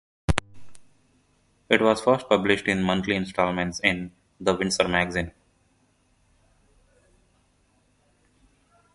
It was first published in monthly instalments in "The Windsor Magazine".